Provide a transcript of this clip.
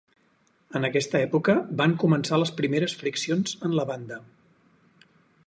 En aquesta època van començar les primeres friccions en la banda.